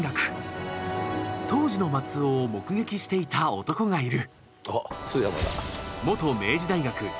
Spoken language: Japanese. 当時の松尾を目撃していた男がいる。